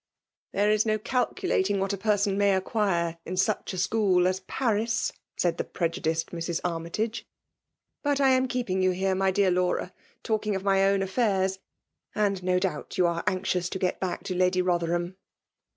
" There is no calculating what a person may acquire in such a school as Paris !'* said the prejudiced Mrs. Armytage. " But I am keep ing you here, my dear Laura, talking of my own affairs ; and no doubt you are anxious to get back to Lady Hotherham."